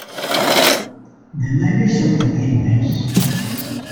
There may be something in this.